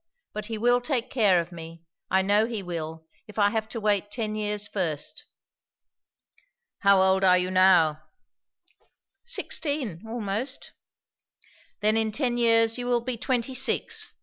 But he will take care of me. I know he will, if I have to wait ten years first." "How old are you now?" "Sixteen, almost." "Then in ten years you will be twenty six.